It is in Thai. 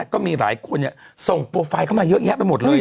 ก็มีหลายคนส่งโปรไฟล์เข้ามาเยอะแยะไปหมดเลย